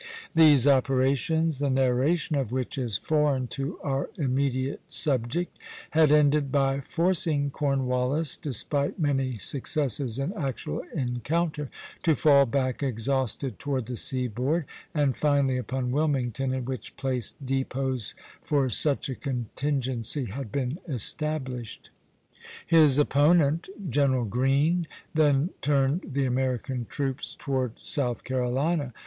These operations, the narration of which is foreign to our immediate subject, had ended by forcing Cornwallis, despite many successes in actual encounter, to fall back exhausted toward the seaboard, and finally upon Wilmington, in which place depots for such a contingency had been established. His opponent, General Greene, then turned the American troops toward South Carolina.